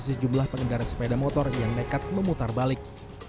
sejumlah pengendara sepeda motor yang nekat memutar balik